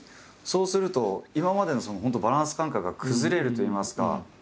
そうすると今までのバランス感覚が崩れるといいますか。